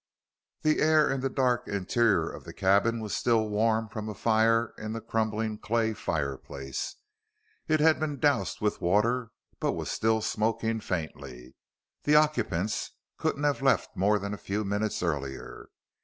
The air in the dark interior of the cabin was still warm from a fire in the crumbling clay fireplace. It had been doused with water but was still smoking faintly. The occupants couldn't have left more than a few minutes earlier.